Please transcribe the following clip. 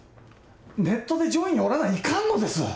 ネットで上位におらないかんのです。